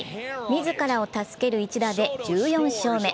自らを助ける一打で１４勝目。